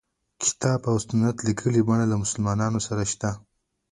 کتاب او سنت لیکلي بڼه له مسلمانانو سره شته.